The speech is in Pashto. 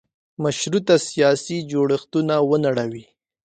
مشروطه سیاسي جوړښتونه ونړوي.